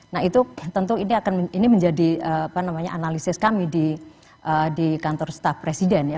nah itu tentu ini akan menjadi analisis kami di kantor staf presiden ya